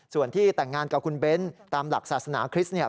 ส่วนที่แต่งงานกับคุณเบ้นตามหลักศาสนาคริสต์เนี่ย